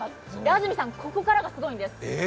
安住さん、ここからがすごいんです